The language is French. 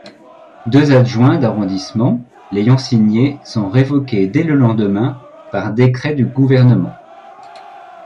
Deux adjoints d'arrondissement l'ayant signé sont révoqués dès le lendemain par décret du gouvernement.